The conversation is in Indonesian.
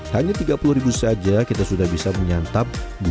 hanya tiga puluh ribu saja kita sudah bisa menyantap